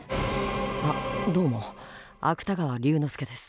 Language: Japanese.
「あっどうも芥川龍之介です」。